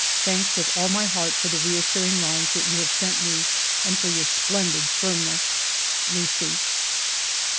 Thanks with all my heart for the reassuring lines that you have sent me and for your splendid firmness. Lucie."